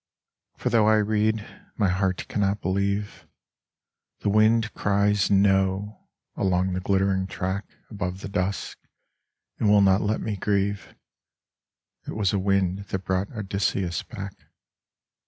For though I read, my heart cannot believe. The wind cries No! along the glittering track Above the dusk, and will not let me grieve. (It was a wind that brought Odysseus back.)